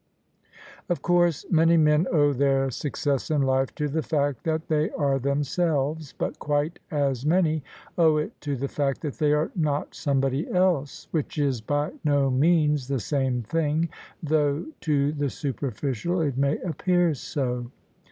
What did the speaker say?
Of course many men owe their success in life to the fact that they are themselves: but quite as many owe it to the fact that they are not somebody else — ^which is by no means the same thing, though to the superficial it may appear so.